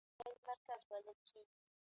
ما له کړکۍ نه بهر وکتل او ځواب مي ورکړ.